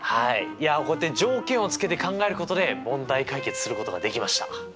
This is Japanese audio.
いやこうやって条件をつけて考えることで問題解決することができました。